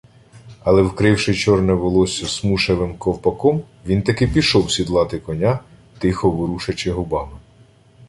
Але, вкривши чорне волосся смушевим ковпаком, він таки пішов сідлати коня, тихо ворушачи губами.